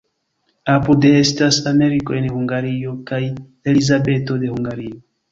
Apude estas Emeriko de Hungario kaj Elizabeto de Hungario.